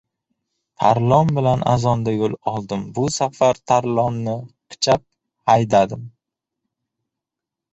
Tarlon bilan azonda yo‘l oldim. Bu safar Tarlonni qichab haydadim.